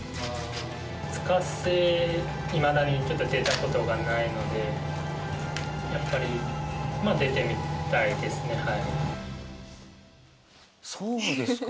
２日制いまだにちょっと出たことがないのでやっぱりそうですか。